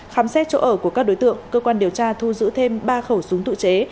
khám xét chỗ ở của các đối tượng cơ quan điều tra thu giữ thêm ba khẩu súng tự chế